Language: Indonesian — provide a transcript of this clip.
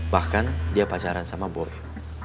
bahkan dia pacaran sama boleh